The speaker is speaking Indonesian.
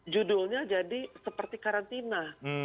judulnya jadi seperti karantina